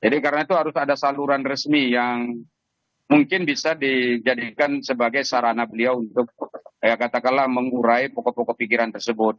jadi karena itu harus ada saluran resmi yang mungkin bisa dijadikan sebagai sarana beliau untuk mengurai pokok pokok pikiran tersebut